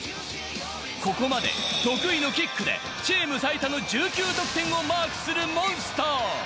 ここまで得意のキックでチーム最多の１９得点をマークするモンスター。